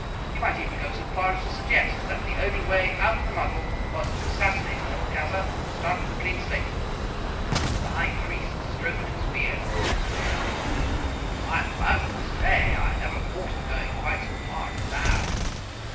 You might even go so far as to suggest that the only way out of the muddle was to assassinate Merolchazzar and start with a clean slate." The High Priest stroked his beard thoughtfully. "I am bound to say I never thought of going quite so far as that."